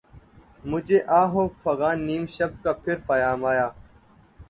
مجھے آہ و فغان نیم شب کا پھر پیام آیا